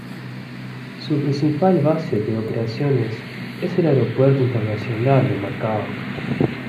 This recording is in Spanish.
Su principal base de operaciones es el Aeropuerto Internacional de Macao.